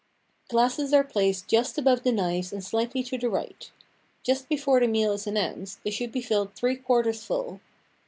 Glasses are placed just above the knives and slightly to the right. Just before the meal is an nounced, they should be filled three quarters full.